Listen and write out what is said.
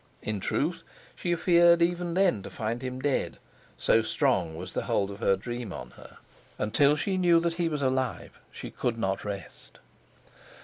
In truth, she feared even then to find him dead, so strong was the hold of her dream on her; until she knew that he was alive she could not rest.